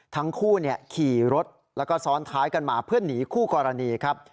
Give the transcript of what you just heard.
ทั้งคู่ขี่รถแล้วก็ซ้อนท้ายกันมาเพื่อหนีคู่กรณีครับ